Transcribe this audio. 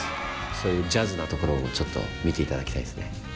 そういうジャズなところもちょっと見ていただきたいですね。